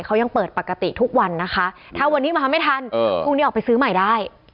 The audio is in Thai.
เขายังเปิดปกติทุกวันนะคะถ้าวันนี้มาไม่ทันพรุ่งนี้ออกไปซื้อใหม่ได้